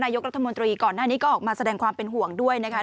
ยกรัฐมนตรีก่อนหน้านี้ก็ออกมาแสดงความเป็นห่วงด้วยนะคะ